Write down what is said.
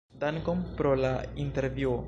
Dankon pro la intervjuo!